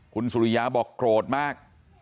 คุณสุริยาบอกโกรธมาก